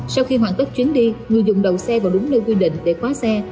sau khi hoàn tất chuyến đi người dùng đầu xe vào đúng nơi quy định để khóa xe